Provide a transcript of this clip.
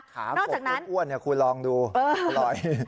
ขาบอกกบปุ๊บอ้วนคุณลองดูอร่อย